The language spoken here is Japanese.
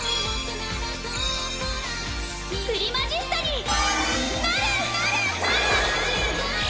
プリマジスタになる！